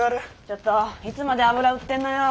ちょっといつまで油売ってんのよ。